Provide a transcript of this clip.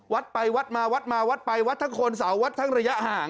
วัดไปวัดมาวัดมาวัดไปวัดทั้งคนเสาวัดทั้งระยะห่าง